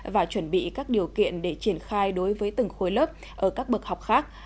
và chuẩn bị các điều kiện để triển khai đối với từng khối lớp ở các bậc học khác